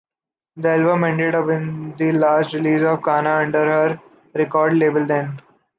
The album ended up being the last release of Kana under her record label then.